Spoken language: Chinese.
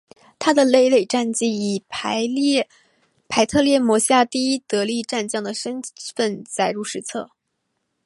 他的累累战绩以腓特烈麾下第一得力战将的身份载入史册。